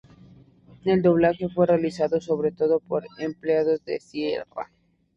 El doblaje fue realizado sobre todo por empleados de Sierra.